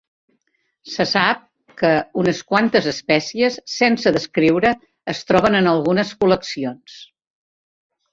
Se sap que unes quantes espècies sense descriure es troben en algunes col·leccions.